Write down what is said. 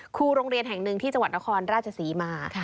ครูโรงเรียนแห่งหนึ่งที่จังหวัดนครราชศรีมา